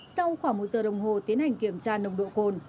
sau khoảng một giờ đồng hồ tiến hành kiểm tra nồng độ cồn